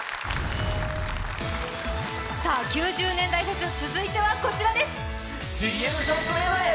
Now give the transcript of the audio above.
９０年代フェス、続いてはこちらです！